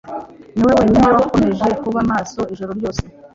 niwe wenyine wakomeje kuba maso ijoro ryose